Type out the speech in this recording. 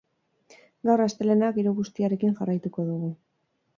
Gaur, astelehena, giro bustiarekin jarraituko dugu.